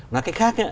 nói cách khác